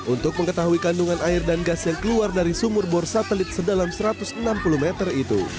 untuk mengetahui kandungan air dan gas yang keluar dari sumur bor satelit sedalam satu ratus enam puluh meter itu